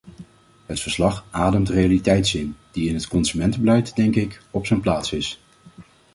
Het verslag ademt realiteitszin, die in het consumentenbeleid, denk ik, op zijn plaats is.